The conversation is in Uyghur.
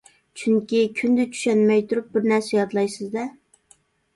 چۈنكى، كۈندە چۈشەنمەي تۇرۇپ بىر نەرسە يادلايسىز-دە!